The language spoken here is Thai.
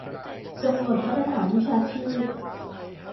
กำหนดมาตรฐานวิชาชีพ